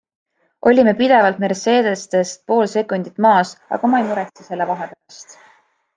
Olime pidevalt Mercdestest pool sekundit maas, aga ma ei muretse selle vahe pärast.